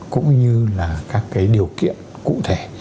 cũng như là các cái điều kiện cụ thể